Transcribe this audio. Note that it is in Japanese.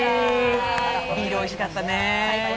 ビールおいしかったね。